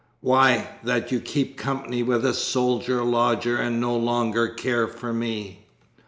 'Why, that you keep company with a soldier lodger and no longer care for me!'